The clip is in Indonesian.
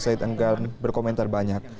said enggan berkomentar banyak